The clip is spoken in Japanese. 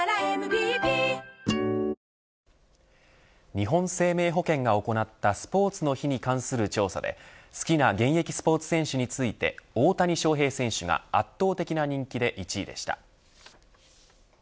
日本生命保険が行ったスポーツの日に関する調査で好きな現役スポーツ選手について大谷翔平選手が圧倒的な人気で１位でした。